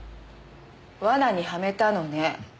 罠にはめたのね。